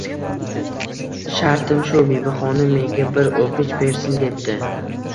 — Shartim shu: Bibixonim menga bir o’pich bersin, — debdi.